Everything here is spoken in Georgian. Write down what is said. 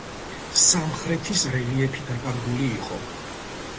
სამხრეთის რელიეფი დაკარგული იყო.